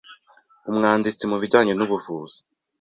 umwanditsi mu bijyanye n'ubuvuzi,